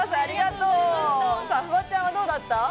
フワちゃんはどうだった？